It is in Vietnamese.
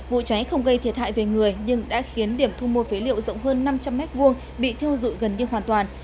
vụ cháy không gây thiệt hại về người nhưng đã khiến điểm thu mua phế liệu rộng hơn năm trăm linh m hai bị thiêu dụi gần như hoàn toàn